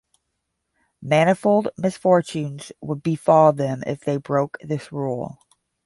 Manifold misfortunes would befall them if they broke this rule.